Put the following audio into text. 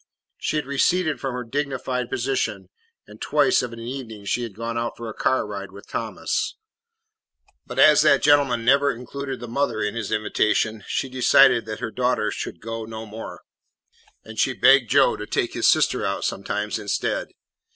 She had receded from her dignified position, and twice of an evening had gone out for a car ride with Thomas; but as that gentleman never included the mother in his invitation, she decided that her daughter should go no more, and she begged Joe to take his sister out sometimes instead.